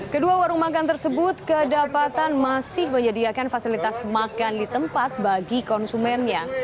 kedua warung makan tersebut kedapatan masih menyediakan fasilitas makan di tempat bagi konsumennya